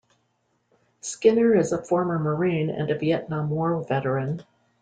Skinner is a former Marine and a Vietnam War veteran.